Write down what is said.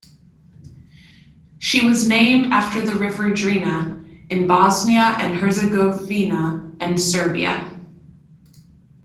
She was named after the river Drina in Bosnia and Herzegovina and Serbia.